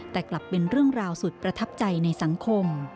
แต่กลับเป็นเรื่องราวสุดประทับใจในสังคม